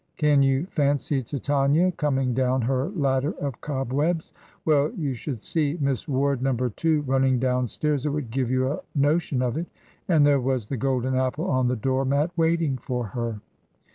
Can you fancy Titania coming down her ladder of cobwebs? Well, you should see Miss Ward number two, running downstairs it would give you a notion of it. And there was the golden apple on the door mat waiting for her."